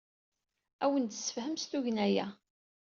Ad awen-d-tessefhem s tugna-a.